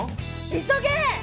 急げ！